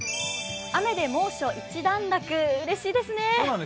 雨で猛暑一段落、うれしいですね。